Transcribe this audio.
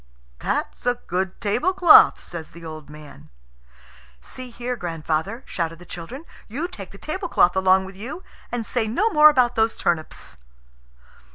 "That's a good tablecloth," says the old man. "See here, grandfather," shouted the children: "you take the tablecloth along with you, and say no more about those turnips."